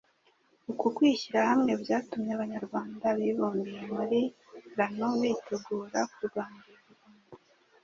Uku kwishyira hamwe byatumye Abanyarwanda bibumbiye muri RANU bitegura kurwanirira u Rwanda